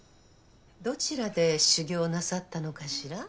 どちらで修行なさったのかしら？